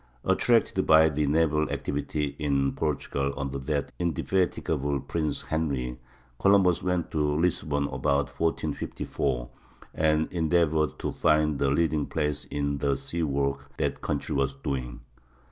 Attracted by the naval activity in Portugal under that indefatigable Prince Henry, Columbus went to Lisbon about 1454, and endeavored to find a leading place in the sea work that country was doing.